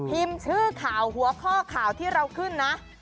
ชื่อข่าวหัวข้อข่าวที่เราขึ้นนะ